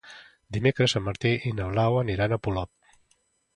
Dimecres en Martí i na Blau aniran a Polop.